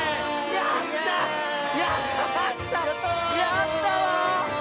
やったわ！